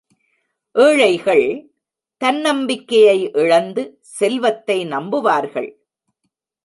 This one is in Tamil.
ஏழைகள், தன்னம்பிக்கையை இழந்து செல்வத்தை நம்புவார்கள்.